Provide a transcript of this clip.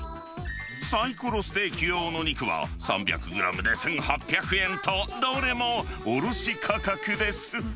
サイコロステーキ用の肉は、３００グラムで１８００円と、どれも卸価格です。